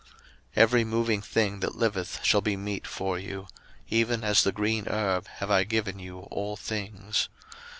01:009:003 Every moving thing that liveth shall be meat for you; even as the green herb have I given you all things.